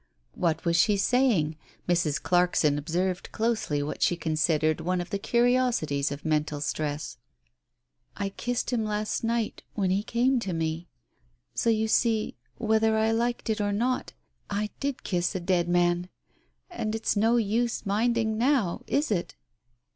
What was she saying ? Mrs. Clarkson observed closely what she considered one of the curiosities of mental stress. "I kissed him last night, when he came to me. ... So you see, whether I liked it or not, I did kiss a dead man 1 And it's no use minding now, is it